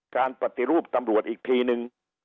การปฏิรูปตำรวจอีกทีนึง